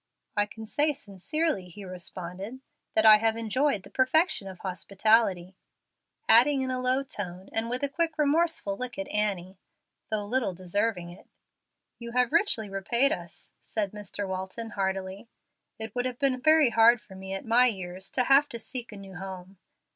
"I can say sincerely," he responded, "that I have enjoyed the perfection of hospitality;" adding, in a low tone and with a quick, remorseful look at Annie, "though little deserving it." "You have richly repaid us," said Mr. Walton, heartily. "It would have been very hard for me at my years to have to seek a new home.